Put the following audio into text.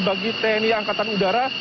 bagi tni angkatan udara